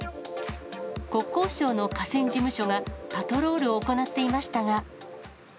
国交省の河川事務所がパトロールを行っていましたが。